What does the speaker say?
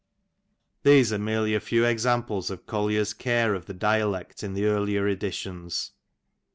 These are merely a few examples of Collier's care of the dialect in the earlier editions.